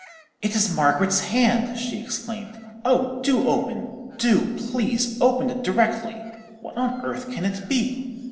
"'It is Margaret's hand!' she exclaimed. 'Oh, do open—do, please, open it directly. What on earth can it be?'